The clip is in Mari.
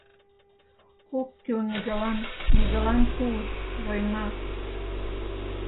Ок кӱл нигӧлан, нигӧлан тул — война!